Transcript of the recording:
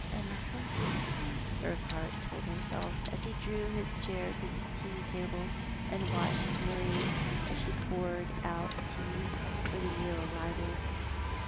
65 an assumption, Urquhart told himself, as he drew his chair to the tea table and watched Marie while she poured out tea for the new arrivals.